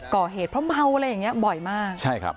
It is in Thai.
ก่อเหตุเพราะเมาอะไรอย่างเงี้บ่อยมากใช่ครับ